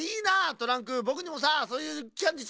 トランクぼくにもさそういうキャンディー